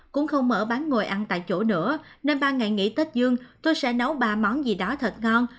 cũng không mở bán ngồi ăn tại chỗ nữa nên ba ngày nghỉ tết dương tôi sẽ nấu ba món gì đó thật ngon